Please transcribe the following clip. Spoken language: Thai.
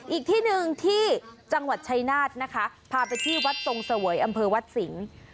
อีกที่หนึ่งที่จังหวัดชัยนาธนะคะพาไปที่วัดทรงเสวยอำเภอวัดสิงศ์